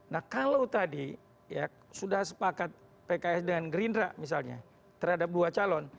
nah kalau tadi ya sudah sepakat pks dengan gerindra misalnya terhadap dua calon